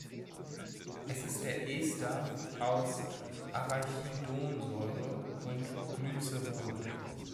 Es ist der Ester aus Arachidonsäure und Glycerol.